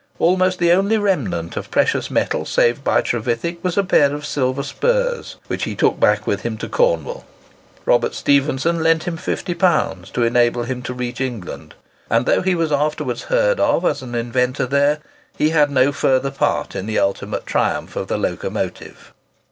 Almost the only remnant of precious metal saved by Trevithick was a pair of silver spurs, which he took back with him to Cornwall. Robert Stephenson lent him £50 to enable him to reach England; and though he was afterwards heard of as an inventor there, he had no further part in the ultimate triumph of the locomotive.